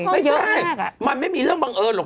ไม่ใช่มันไม่มีเรื่องบังเอิญหรอก